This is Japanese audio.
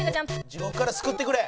地獄から救ってくれ。